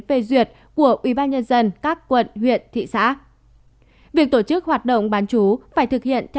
phê duyệt của ubnd các quận huyện thị xã việc tổ chức hoạt động bán chú phải thực hiện theo